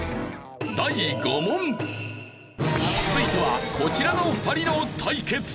続いてはこちらの２人の対決。